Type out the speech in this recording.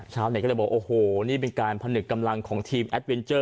ชาวเน็ตก็เลยบอกโอ้โหนี่เป็นการผนึกกำลังของทีมแอดเวนเจอร์